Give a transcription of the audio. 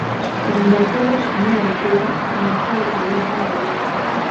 Embogo n’enkula ku matale tebivaayo.